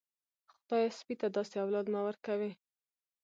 خدايه سپي ته داسې اولاد مه ورکوې.